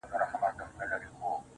زما خبري خدايه بيرته راکه _